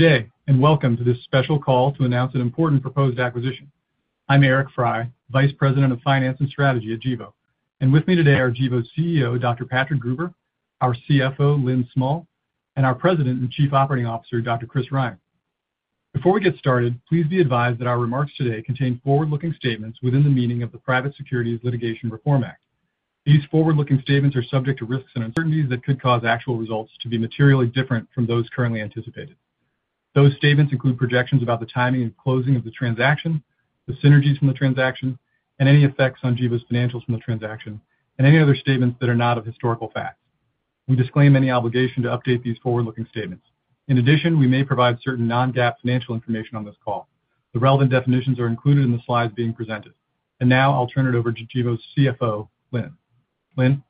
Good day, and welcome to this special call to announce an important proposed acquisition. I'm Eric Frey, Vice President of Finance and Strategy at Gevo. And with me today are Gevo's CEO, Dr. Patrick Gruber, our CFO, Lynn Smull, and our President and Chief Operating Officer, Dr. Chris Ryan. Before we get started, please be advised that our remarks today contain forward-looking statements within the meaning of the Private Securities Litigation Reform Act. These forward-looking statements are subject to risks and uncertainties that could cause actual results to be materially different from those currently anticipated. Those statements include projections about the timing and closing of the transaction, the synergies from the transaction, and any effects on Gevo's financials from the transaction, and any other statements that are not of historical facts. We disclaim any obligation to update these forward-looking statements. In addition, we may provide certain non-GAAP financial information on this call. The relevant definitions are included in the slides being presented. And now I'll turn it over to Gevo's CFO, Lynn. Lynn?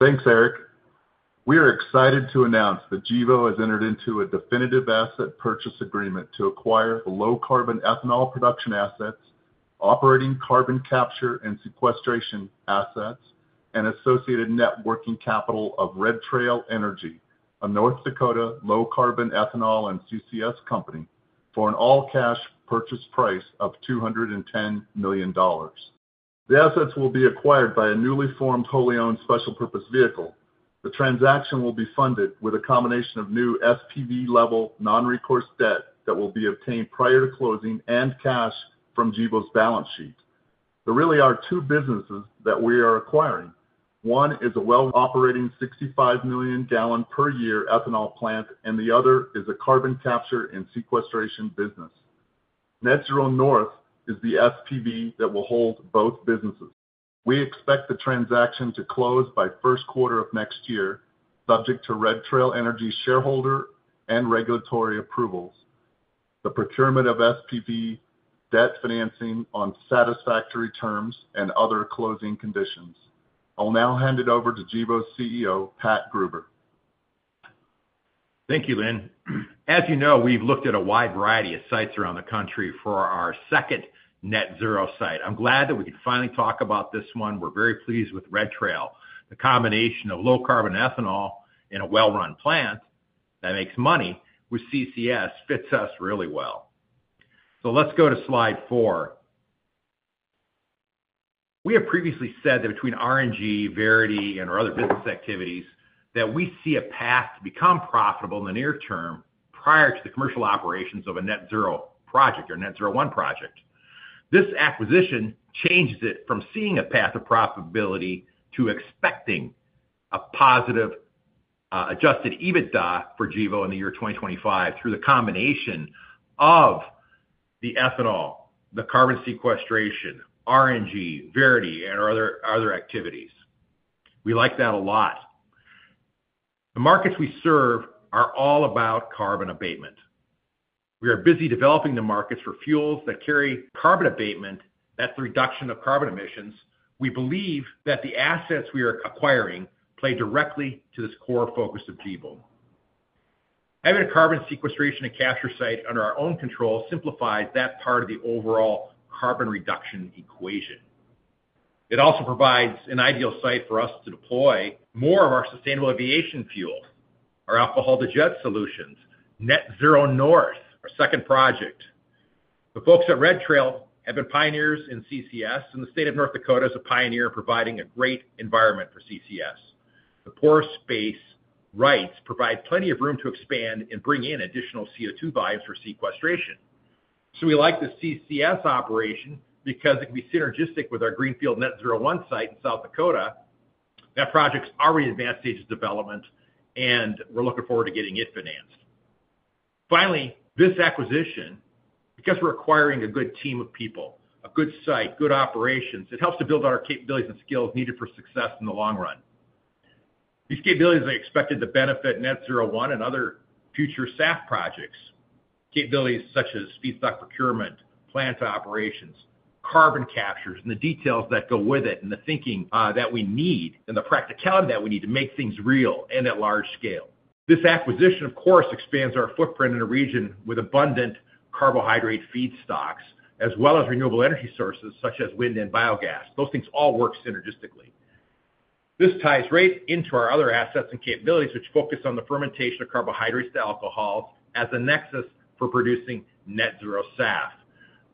Thanks, Eric. We are excited to announce that Gevo has entered into a definitive asset purchase agreement to acquire the low-carbon ethanol production assets, operating carbon capture and sequestration assets, and associated net working capital of Red Trail Energy, a North Dakota low-carbon ethanol and CCS company, for an all-cash purchase price of $210 million. The assets will be acquired by a newly formed, wholly owned special purpose vehicle. The transaction will be funded with a combination of new SPV-level, non-recourse debt that will be obtained prior to closing and cash from Gevo's balance sheet. There really are two businesses that we are acquiring. One is a well-operating, 65 million gallon per year ethanol plant, and the other is a carbon capture and sequestration business. Net-Zero North is the SPV that will hold both businesses. We expect the transaction to close by first quarter of next year, subject to Red Trail Energy shareholder and regulatory approvals, the procurement of SPV debt financing on satisfactory terms, and other closing conditions. I'll now hand it over to Gevo's CEO, Pat Gruber. Thank you, Lynn. As you know, we've looked at a wide variety of sites around the country for our second Net-Zero site. I'm glad that we can finally talk about this one. We're very pleased with Red Trail. The combination of low-carbon ethanol in a well-run plant that makes money with CCS fits us really well. So let's go to slide four. We have previously said that between RNG, Verity, and our other business activities, that we see a path to become profitable in the near term prior to the commercial operations of a Net-Zero project or Net-Zero 1 project. This acquisition changes it from seeing a path of profitability to expecting a positive adjusted EBITDA for Gevo in the year twenty twenty-five through the combination of the ethanol, the carbon sequestration, RNG, Verity, and our other activities. We like that a lot. The markets we serve are all about carbon abatement. We are busy developing the markets for fuels that carry carbon abatement, that's the reduction of carbon emissions. We believe that the assets we are acquiring play directly to this core focus of Gevo. Having a carbon sequestration and capture site under our own control simplifies that part of the overall carbon reduction equation. It also provides an ideal site for us to deploy more of our sustainable aviation fuel, our alcohol-to-jet solutions, Net-Zero North, our second project. The folks at Red Trail have been pioneers in CCS, and the state of North Dakota is a pioneer in providing a great environment for CCS. The pore space rights provide plenty of room to expand and bring in additional CO2 buyers for sequestration. So we like the CCS operation because it can be synergistic with our greenfield Net-Zero 1 site in South Dakota. That project's at an advanced stage of development, and we're looking forward to getting it financed. Finally, this acquisition, because we're acquiring a good team of people, a good site, good operations, it helps to build out our capabilities and skills needed for success in the long run. These capabilities are expected to benefit Net-Zero 1 and other future SAF projects, capabilities such as feedstock procurement, plant operations, carbon capture, and the details that go with it, and the thinking, that we need and the practicality that we need to make things real and at large scale. This acquisition, of course, expands our footprint in a region with abundant carbohydrate feedstocks, as well as renewable energy sources, such as wind and biogas. Those things all work synergistically. This ties right into our other assets and capabilities, which focus on the fermentation of carbohydrates to alcohol as a nexus for producing net-zero SAF.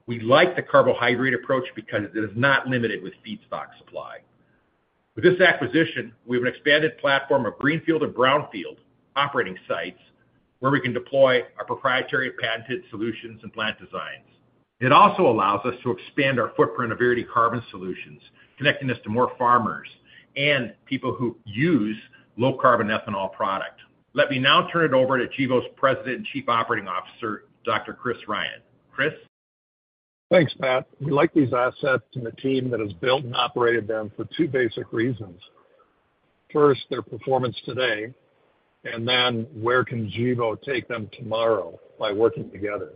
We like the carbohydrate approach because it is not limited with feedstock supply. With this acquisition, we have an expanded platform of greenfield and brownfield operating sites where we can deploy our proprietary patented solutions and plant designs. It also allows us to expand our footprint of Verity Carbon Solutions, connecting us to more farmers and people who use low-carbon ethanol product. Let me now turn it over to Gevo's President and Chief Operating Officer, Dr. Chris Ryan. Chris? Thanks, Pat. We like these assets and the team that has built and operated them for two basic reasons. First, their performance today, and then where can Gevo take them tomorrow by working together?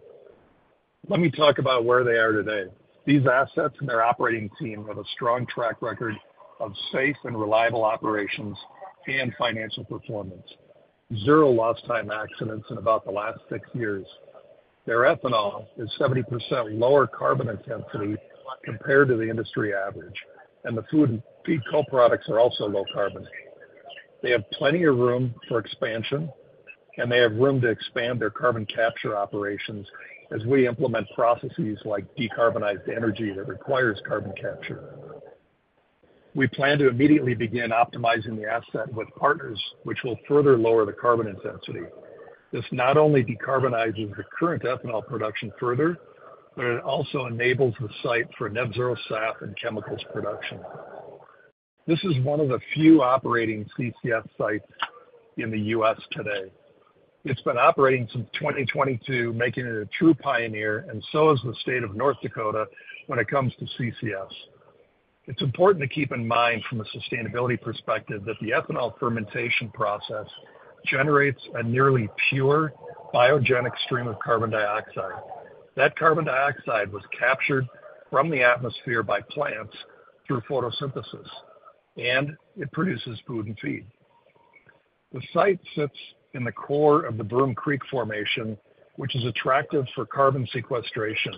Let me talk about where they are today. These assets and their operating team have a strong track record of safe and reliable operations and financial performance. Zero lost time accidents in about the last six years.... Their ethanol is 70% lower carbon intensity compared to the industry average, and the food and feed co-products are also low carbon. They have plenty of room for expansion, and they have room to expand their carbon capture operations as we implement processes like decarbonized energy that requires carbon capture. We plan to immediately begin optimizing the asset with partners, which will further lower the carbon intensity. This not only decarbonizes the current ethanol production further, but it also enables the site for Net-Zero SAF and chemicals production. This is one of the few operating CCS sites in the U.S. today. It's been operating since 2022, making it a true pioneer, and so is the state of North Dakota when it comes to CCS. It's important to keep in mind from a sustainability perspective, that the ethanol fermentation process generates a nearly pure biogenic stream of carbon dioxide. That carbon dioxide was captured from the atmosphere by plants through photosynthesis, and it produces food and feed. The site sits in the core of the Broom Creek Formation, which is attractive for carbon sequestration.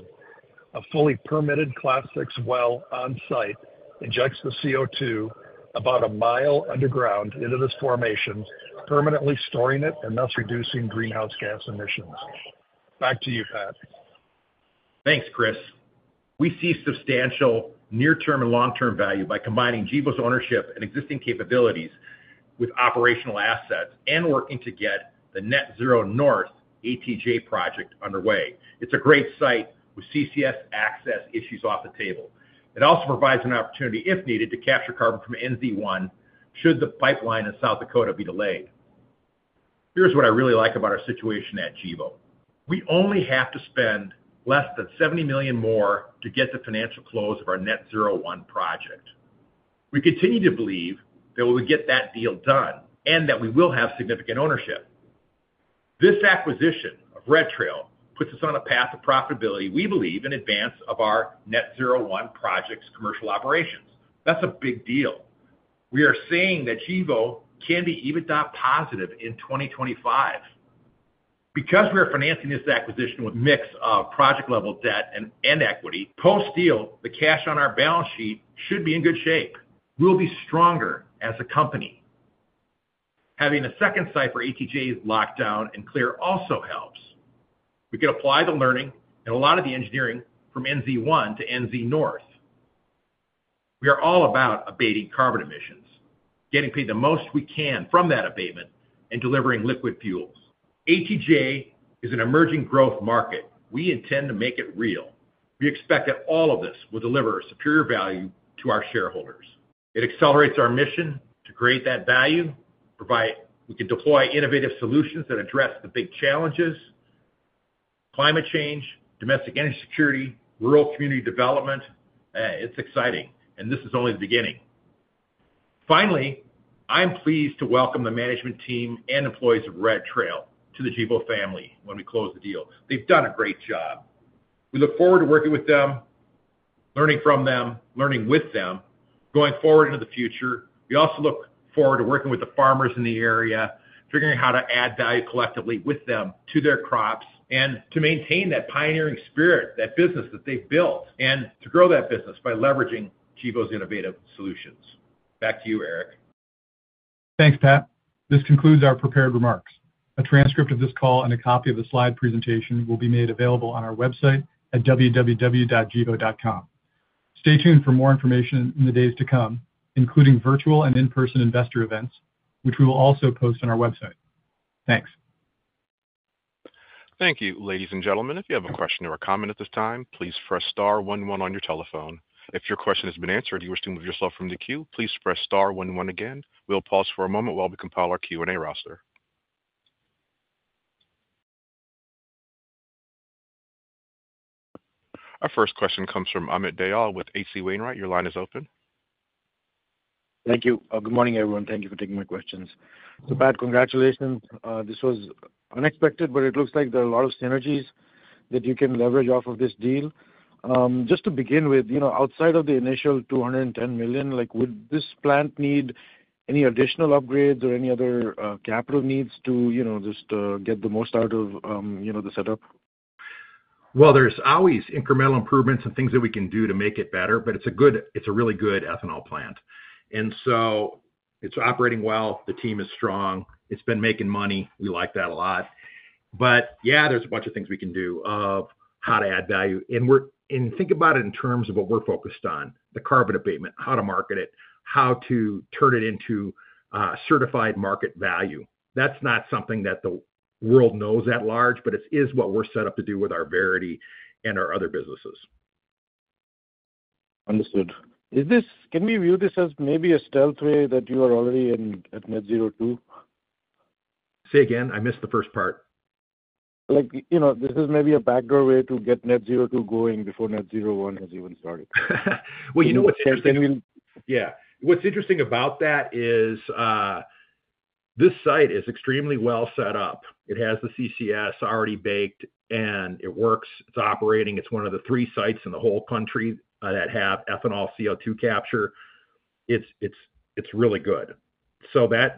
A fully permitted Class VI well on-site injects the CO₂ about a mile underground into this formation, permanently storing it and thus reducing greenhouse gas emissions. Back to you, Pat. Thanks, Chris. We see substantial near-term and long-term value by combining Gevo's ownership and existing capabilities with operational assets and working to get the Net-Zero North ATJ project underway. It's a great site with CCS access issues off the table. It also provides an opportunity, if needed, to capture carbon from NZ1, should the pipeline in South Dakota be delayed. Here's what I really like about our situation at Gevo. We only have to spend less than $70 million more to get the financial close of our Net-Zero 1 project. We continue to believe that we would get that deal done and that we will have significant ownership. This acquisition of Red Trail puts us on a path of profitability, we believe, in advance of our Net-Zero 1 project's commercial operations. That's a big deal. We are saying that Gevo can be EBITDA positive in 2025. Because we are financing this acquisition with mix of project-level debt and equity, post-deal, the cash on our balance sheet should be in good shape. We'll be stronger as a company. Having a second site for ATJ locked down and clear also helps. We can apply the learning and a lot of the engineering from NZ1 to NZ North. We are all about abating carbon emissions, getting paid the most we can from that abatement, and delivering liquid fuels. ATJ is an emerging growth market. We intend to make it real. We expect that all of this will deliver a superior value to our shareholders. It accelerates our mission to create that value, we can deploy innovative solutions that address the big challenges: climate change, domestic energy security, rural community development. It's exciting, and this is only the beginning. Finally, I'm pleased to welcome the management team and employees of Red Trail to the Gevo family when we close the deal. They've done a great job. We look forward to working with them, learning from them, learning with them, going forward into the future. We also look forward to working with the farmers in the area, figuring how to add value collectively with them to their crops, and to maintain that pioneering spirit, that business that they've built, and to grow that business by leveraging Gevo's innovative solutions. Back to you, Eric. Thanks, Pat. This concludes our prepared remarks. A transcript of this call and a copy of the slide presentation will be made available on our website at www.gevo.com. Stay tuned for more information in the days to come, including virtual and in-person investor events, which we will also post on our website. Thanks. Thank you. Ladies and gentlemen, if you have a question or a comment at this time, please press star one one on your telephone. If your question has been answered, or you wish to remove yourself from the queue, please press star one one again. We'll pause for a moment while we compile our Q&A roster. Our first question comes from Amit Dayal with H.C. Wainwright. Your line is open. Thank you. Good morning, everyone. Thank you for taking my questions. So, Pat, congratulations. This was unexpected, but it looks like there are a lot of synergies that you can leverage off of this deal. Just to begin with, you know, outside of the initial $210 million, like, would this plant need any additional upgrades or any other, capital needs to, you know, just, get the most out of, you know, the setup? There's always incremental improvements and things that we can do to make it better, but it's a really good ethanol plant, and so it's operating well. The team is strong. It's been making money. We like that a lot. But, yeah, there's a bunch of things we can do of how to add value. And think about it in terms of what we're focused on, the carbon abatement, how to market it, how to turn it into certified market value. That's not something that the world knows at large, but it is what we're set up to do with our Verity and our other businesses. Understood. Can we view this as maybe a stealth way that you are already in at Net-Zero 2? Say again? I missed the first part. Like, you know, this is maybe a back door way to get Net-Zero 2 going before Net-Zero 1 has even started. You know what's interesting- I mean... Yeah. What's interesting about that is, this site is extremely well set up. It has the CCS already baked, and it works. It's operating. It's one of the three sites in the whole country that have ethanol CO₂ capture. It's really good, so that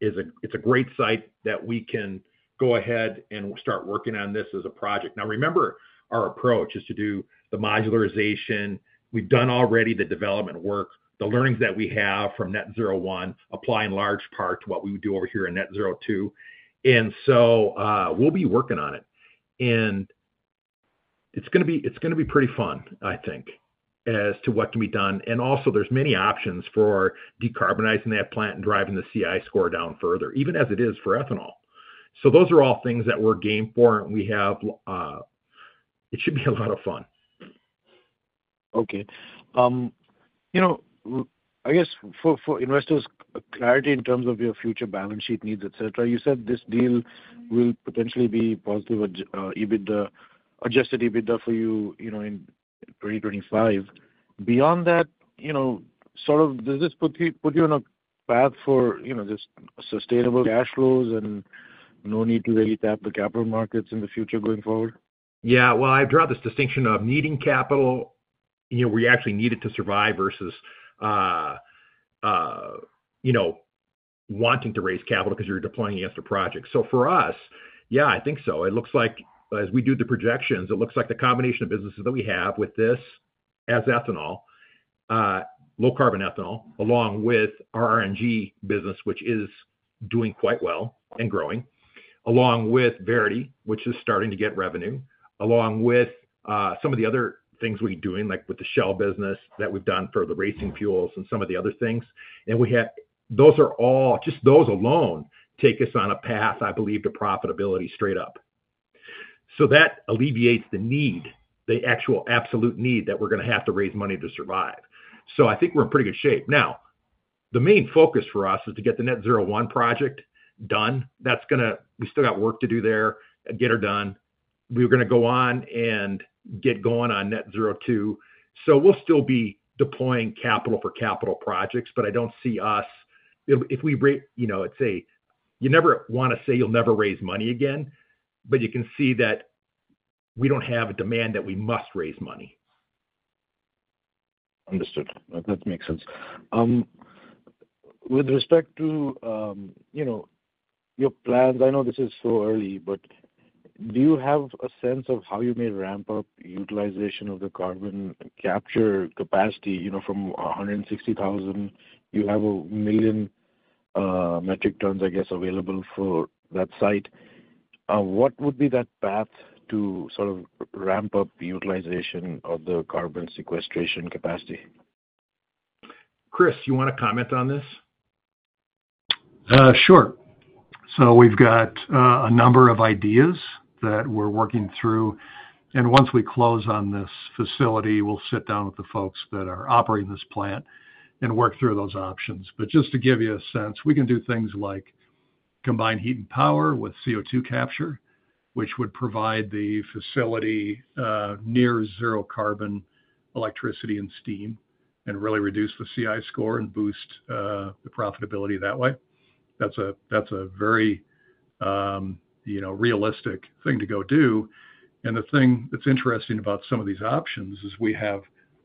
is a great site that we can go ahead and start working on this as a project. Now, remember, our approach is to do the modularization. We've done already the development work, the learnings that we have from Net-Zero 1 apply in large part to what we would do over here in Net-Zero 2. And so, we'll be working on it. And it's gonna be pretty fun, I think, as to what can be done. And also, there's many options for decarbonizing that plant and driving the CI score down further, even as it is for ethanol. So those are all things that we're game for. It should be a lot of fun. Okay. You know, I guess for investors, clarity in terms of your future balance sheet needs, et cetera, you said this deal will potentially be positive adjusted EBITDA for you, you know, in twenty twenty-five. Beyond that, you know, sort of does this put you on a path for, you know, just sustainable cash flows and no need to really tap the capital markets in the future going forward? Yeah, well, I draw this distinction of needing capital, you know, we actually need it to survive versus, you know, wanting to raise capital because you're deploying against a project. So for us, yeah, I think so. It looks like as we do the projections, it looks like the combination of businesses that we have with this as ethanol, low carbon ethanol, along with our RNG business, which is doing quite well and growing, along with Verity, which is starting to get revenue, along with, some of the other things we're doing, like with the Shell business that we've done for the racing fuels and some of the other things. And we have-- Those are all, just those alone, take us on a path, I believe, to profitability straight up. So that alleviates the need, the actual absolute need that we're gonna have to raise money to survive. So I think we're in pretty good shape. Now, the main focus for us is to get the Net-Zero 1 project done. That's gonna. We still got work to do there and get her done. We're gonna go on and get going on Net-Zero 2. So we'll still be deploying capital for capital projects, but I don't see us. If we raise, you know, let's say, you never wanna say you'll never raise money again, but you can see that we don't have a demand that we must raise money. Understood. That makes sense. With respect to, you know, your plans, I know this is so early, but do you have a sense of how you may ramp up utilization of the carbon capture capacity, you know, from 160,000? You have 1 million metric tons, I guess, available for that site. What would be that path to sort of ramp up the utilization of the carbon sequestration capacity? Chris, you want to comment on this? Sure. So we've got a number of ideas that we're working through, and once we close on this facility, we'll sit down with the folks that are operating this plant and work through those options. But just to give you a sense, we can do things like combine heat and power with CO2 capture, which would provide the facility near zero carbon electricity and steam and really reduce the CI score and boost the profitability that way. That's a very, you know, realistic thing to go do. And the thing that's interesting about some of these options is we have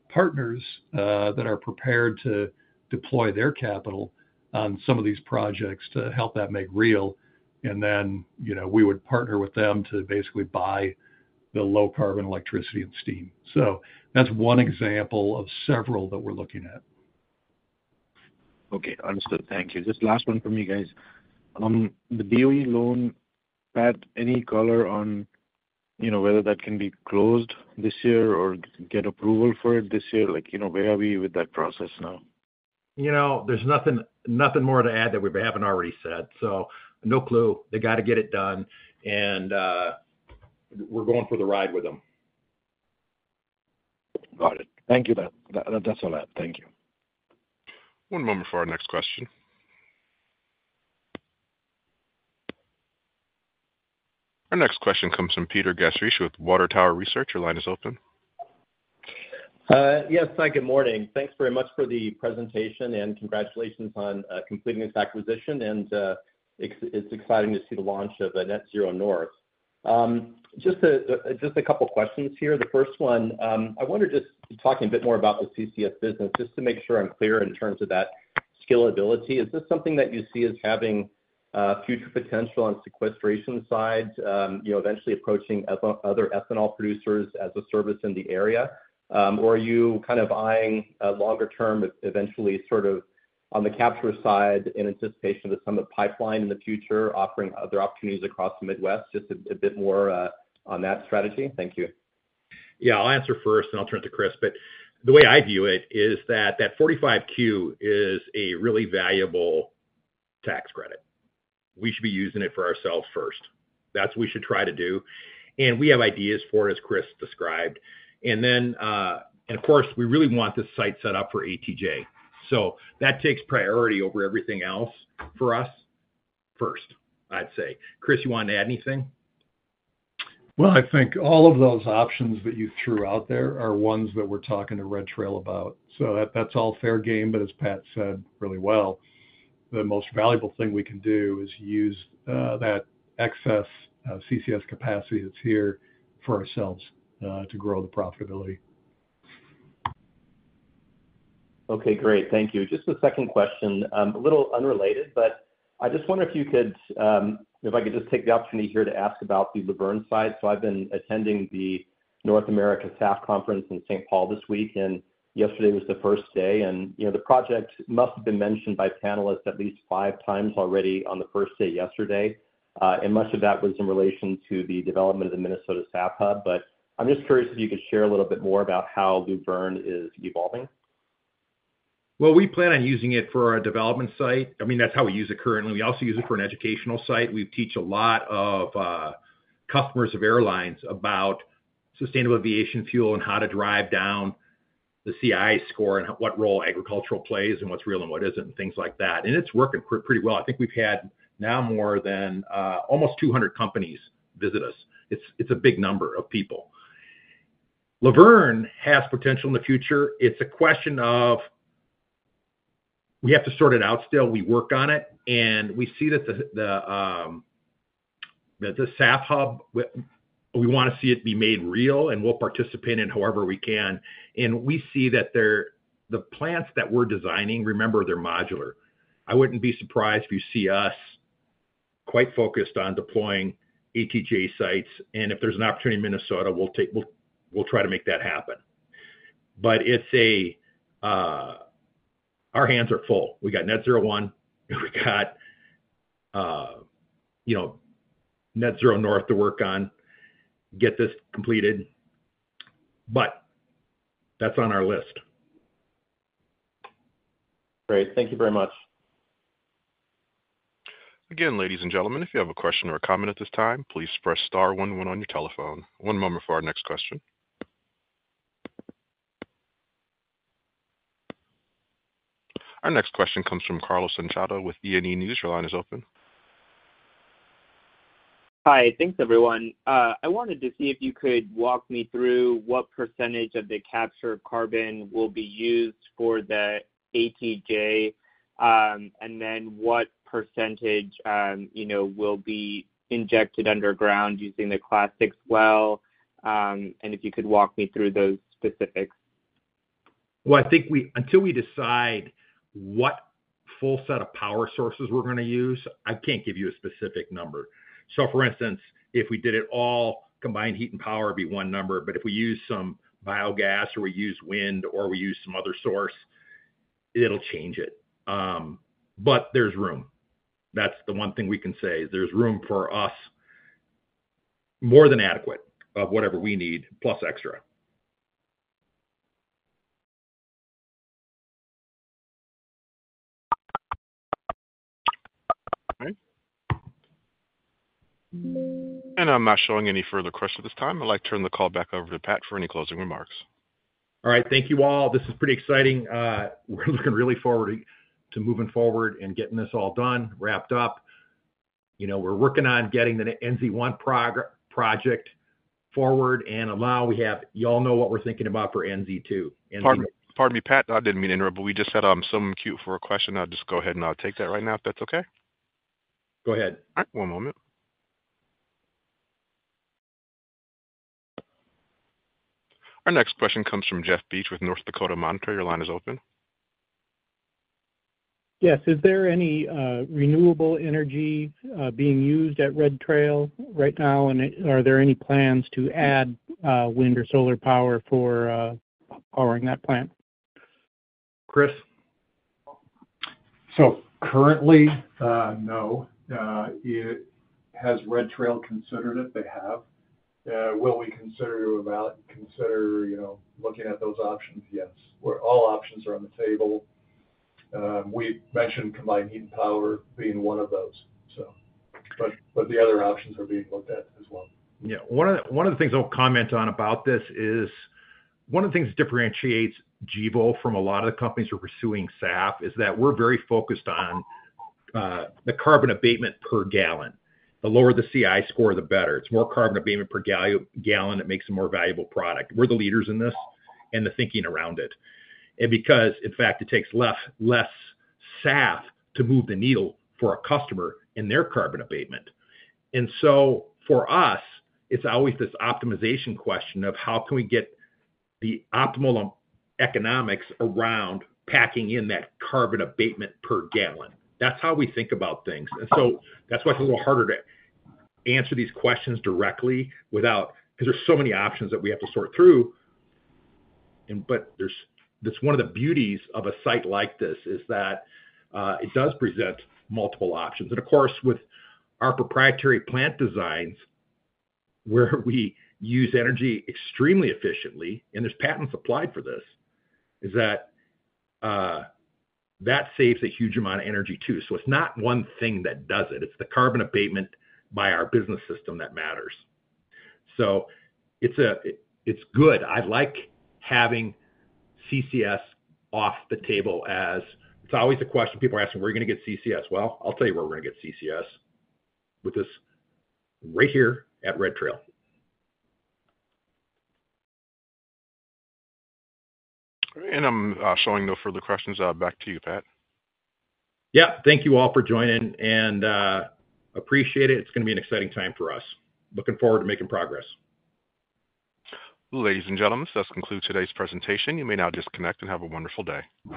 partners that are prepared to deploy their capital on some of these projects to help that make real. And then, you know, we would partner with them to basically buy the low carbon electricity and steam. So that's one example of several that we're looking at. Okay, understood. Thank you. Just last one from you guys. The DOE loan, Pat, any color on, you know, whether that can be closed this year or get approval for it this year? Like, you know, where are we with that process now? You know, there's nothing, nothing more to add that we haven't already said, so no clue. They got to get it done, and we're going for the ride with them. Got it. Thank you, that's all right. Thank you. One moment for our next question. Our next question comes from Peter Gastreich with Water Tower Research. Your line is open. Yes, hi, good morning. Thanks very much for the presentation, and congratulations on completing this acquisition. It's exciting to see the launch of the Net-Zero North. Just a couple questions here. The first one, I wonder, just talking a bit more about the CCS business, just to make sure I'm clear in terms of that scalability. Is this something that you see as having future potential on the sequestration side, you know, eventually approaching other ethanol producers as a service in the area? Or are you kind of eyeing a longer term, but eventually, sort of on the capture side, in anticipation of some of the pipeline in the future, offering other opportunities across the Midwest? Just a bit more on that strategy. Thank you. Yeah. I'll answer first, and I'll turn to Chris. But the way I view it is that 45Q is a really valuable tax credit. We should be using it for ourselves first. That's what we should try to do, and we have ideas for it, as Chris described. And then, and of course, we really want this site set up for ATJ, so that takes priority over everything else for us first, I'd say. Chris, you want to add anything? I think all of those options that you threw out there are ones that we're talking to Red Trail about. So that's all fair game, but as Pat said, really well, the most valuable thing we can do is use that excess CCS capacity that's here for ourselves to grow the profitability.... Okay, great. Thank you. Just a second question, a little unrelated, but I just wonder if you could, if I could just take the opportunity here to ask about the Luverne site. So I've been attending the North American SAF Conference in St. Paul this week, and yesterday was the first day, and, you know, the project must have been mentioned by panelists at least five times already on the first day yesterday. And much of that was in relation to the development of the Minnesota SAF Hub. But I'm just curious if you could share a little bit more about how Luverne is evolving. We plan on using it for our development site. I mean, that's how we use it currently. We also use it for an educational site. We teach a lot of customers of airlines about sustainable aviation fuel and how to drive down the CI score and what role agricultural plays and what's real and what isn't, and things like that. And it's working pretty well. I think we've had now more than almost 200 companies visit us. It's a big number of people. Luverne has potential in the future. It's a question of we have to sort it out still. We work on it, and we see that the SAF Hub, we wanna see it be made real, and we'll participate in it however we can. And we see that they're the plants that we're designing, remember, they're modular. I wouldn't be surprised if you see us quite focused on deploying ATJ sites, and if there's an opportunity in Minnesota, we'll take. We'll try to make that happen. But it's a. Our hands are full. We got Net-Zero 1, and we got, you know, Net-Zero North to work on, get this completed, but that's on our list. Great. Thank you very much. Again, ladies and gentlemen, if you have a question or a comment at this time, please press star one one on your telephone. One moment for our next question. Our next question comes from Carlos Anchondo with E&E News. Your line is open. Hi. Thanks, everyone. I wanted to see if you could walk me through what percentage of the capture of carbon will be used for the ATJ, and then what percentage, you know, will be injected underground using the Class VI well, and if you could walk me through those specifics. Well, I think until we decide what full set of power sources we're gonna use, I can't give you a specific number. So, for instance, if we did it all, combined heat and power, it'd be one number. But if we use some biogas or we use wind or we use some other source, it'll change it. But there's room. That's the one thing we can say, there's room for us, more than adequate, of whatever we need, plus extra. All right. And I'm not showing any further questions at this time. I'd like to turn the call back over to Pat for any closing remarks. All right. Thank you, all. This is pretty exciting. We're looking really forward to moving forward and getting this all done, wrapped up. You know, we're working on getting the NZ1 project forward, and also we have-- you all know what we're thinking about for NZ2. Pardon, pardon me, Pat. I didn't mean to interrupt, but we just had someone in queue for a question. I'll just go ahead and I'll take that right now, if that's okay? Go ahead. All right. One moment. Our next question comes from Jeff Beach with North Dakota Monitor. Your line is open. Yes. Is there any renewable energy being used at Red Trail right now? And are there any plans to add wind or solar power for powering that plant? Chris? Currently, no. It has. Has Red Trail considered it? They have. Will we consider, you know, looking at those options? Yes. Where all options are on the table, we mentioned combined heat and power being one of those, so, but the other options are being looked at as well. Yeah. One of the things I'll comment on about this is, one of the things that differentiates Gevo from a lot of the companies who are pursuing SAF is that we're very focused on the carbon abatement per gallon. The lower the CI score, the better. It's more carbon abatement per gallon that makes a more valuable product. We're the leaders in this and the thinking around it. And because, in fact, it takes less SAF to move the needle for a customer in their carbon abatement. And so for us, it's always this optimization question of: How can we get the optimal economics around packing in that carbon abatement per gallon? That's how we think about things. And so that's why it's a little harder to answer these questions directly, without because there's so many options that we have to sort through. That's one of the beauties of a site like this, is that it does present multiple options. And of course, with our proprietary plant designs, where we use energy extremely efficiently, and there's patents applied for this, is that that saves a huge amount of energy, too. So it's not one thing that does it, it's the carbon abatement by our business system that matters. So it's good. I like having CCS off the table, as it's always a question people are asking, "Where are you gonna get CCS?" Well, I'll tell you where we're gonna get CCS: with this, right here at Red Trail. I'm showing no further questions. Back to you, Pat. Yeah. Thank you all for joining, and, appreciate it. It's gonna be an exciting time for us. Looking forward to making progress. Ladies and gentlemen, this concludes today's presentation. You may now disconnect and have a wonderful day.